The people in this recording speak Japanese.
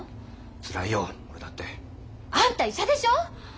つらいよ俺だって。あんた医者でしょ！？